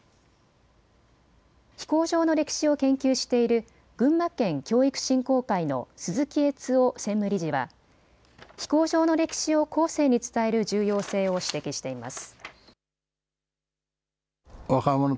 飛行場の歴史を研究している群馬県教育振興会の鈴木越夫専務理事は飛行場の歴史を後世に伝える重要性を指摘しています。